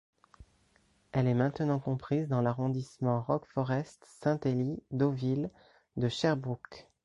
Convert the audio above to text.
Elle est maintenant comprise dans l'arrondissement Rock-Forest–Saint-Élie–Deauville de Sherbrooke.